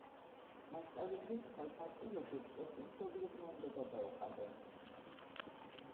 მასწავლებლებს ხელფასი როგორც წესი მშობლებმა უნდა გადაუხადონ.